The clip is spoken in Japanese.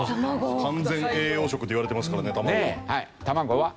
完全栄養食っていわれてますからね卵は。